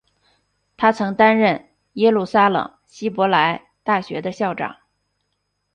他曾担任耶路撒冷希伯来大学的校长。